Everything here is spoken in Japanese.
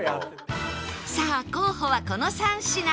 さあ候補はこの３品